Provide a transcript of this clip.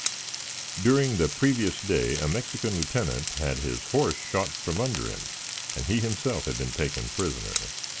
During the previous day, a Mexican lieutenant had his horse shot from under him and he himself had been taken prisoner.